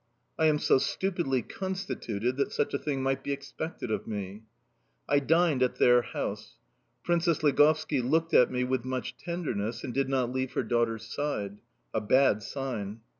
I am so stupidly constituted that such a thing might be expected of me. I dined at their house. Princess Ligovski looked at me with much tenderness, and did not leave her daughter's side... a bad sign!